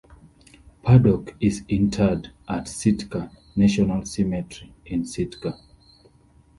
Paddock is interred at Sitka National Cemetery in Sitka.